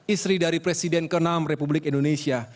istri dari presiden ke enam republik indonesia